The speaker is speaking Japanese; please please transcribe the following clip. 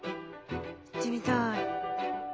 行ってみたい。